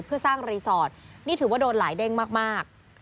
เพื่อสร้างรีสอร์ทนี่ถือว่าโดนหลายเด้งมาก